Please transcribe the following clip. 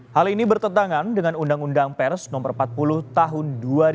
hal ini bertentangan dengan undang undang pers no empat puluh tahun dua ribu dua puluh